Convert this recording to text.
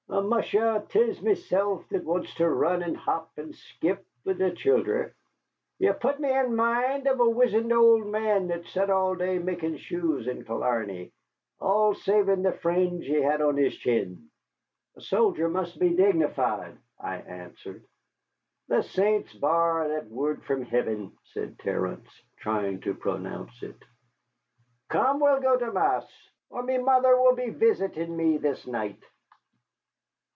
"Amusha! 'tis mesilf that wants to run and hop and skip wid the childher. Ye put me in mind of a wizened old man that sat all day makin' shoes in Killarney, all savin' the fringe he had on his chin." "A soldier must be dignified," I answered. "The saints bar that wurrd from hiven," said Terence, trying to pronounce it. "Come, we'll go to mass, or me mother will be visitin' me this night."